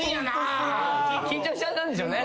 緊張しちゃったんでしょうね。